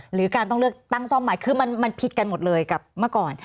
หรือการต้องเลือกตั้งซ่อมใหม่คือมันผิดกันหมดเลยกับเมื่อก่อน